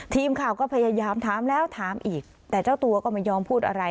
ทีมข่าวก็พยายามถามแล้วถามอีกแต่เจ้าตัวก็ไม่ยอมพูดอะไร